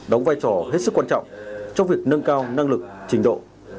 đóng vai trò hết sức quan trọng trong việc nâng cao năng lực trình độ